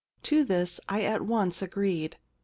To this I at once agreed.